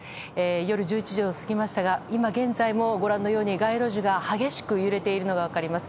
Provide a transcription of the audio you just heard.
夜１１時を過ぎましたが今現在もご覧のように街路樹が激しく揺れているのが分かります。